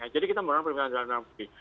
jadi kita menggunakan pemimpin dalam negeri